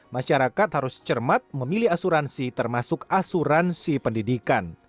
masyarakat harus cermat memilih asuransi termasuk asuransi pendidikan